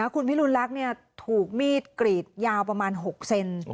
คุณพิรุณลักษณ์ถูกมีดกรีดยาวประมาณ๖เซน